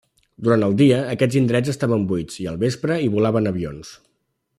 Durant el dia, aquests indrets estaven buits, i al vespre hi volaven avions.